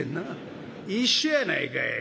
「一緒やないかい。